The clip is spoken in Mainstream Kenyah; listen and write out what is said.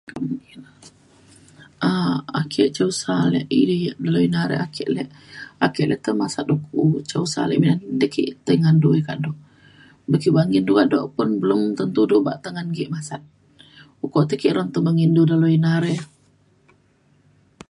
um ake susah ale iri yak dalau ina ake le tai masat uku ca usa ale [unintelligible] te ki tai ngan du yak kado. Buk ke nggin da kado pun belum tentu du bak tengen ngan ke masat. Ukok ri ti ki te nggin dalau ina re.